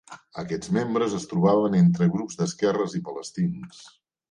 Aquests membres es trobaven entre grups d'esquerres i palestins.